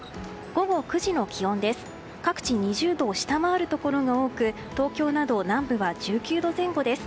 午後９時の気温です。